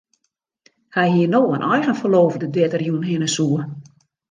Hy hie no in eigen ferloofde dêr't er jûn hinne soe.